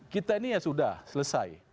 kita ini ya sudah selesai